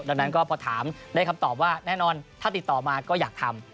ดังนั้นก็พอถามได้คำตอบว่าแน่นอนถ้าติดต่อมาก็อยากทำ